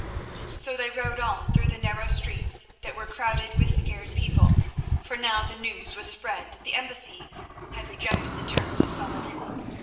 So they rode on through the narrow streets that were crowded with scared people, for now the news was spread that the embassy had rejected the terms of Saladin.